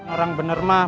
orang bener mah